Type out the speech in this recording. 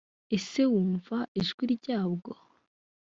ese wumva ijwi ryabwo?